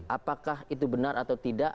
apakah itu benar atau tidak